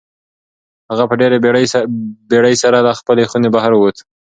هغه په ډېرې بېړۍ سره له خپلې خونې بهر ووت.